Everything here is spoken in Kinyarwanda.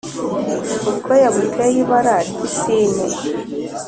ubwoya buteye ibara ry isine